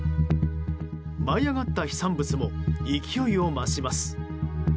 舞い上がった飛散物も勢いを増します。